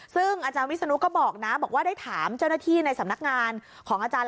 ซึ่งอาจารย์วิศนุก็บอกนะบอกว่าได้ถามเจ้าหน้าที่ในสำนักงานของอาจารย์